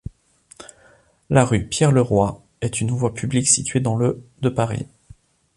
La rue Pierre-Le-Roy est une voie publique située dans le de Paris.